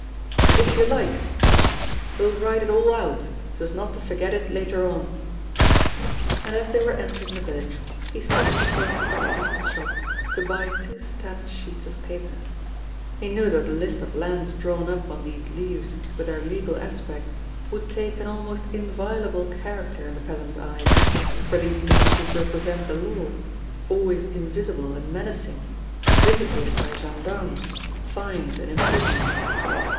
"If you like," said he, "we'll write it all out, so as not to forget it later on." And as they were entering the village, he stopped before a tobacconist's shop to buy two stamped sheets of paper. He knew that the list of lands drawn up on these leaves with their legal aspect would take an almost inviolable character in the peasant's eyes, for these leaves would represent the law, always invisible and menacing, vindicated by gendarmes, fines, and imprisonment.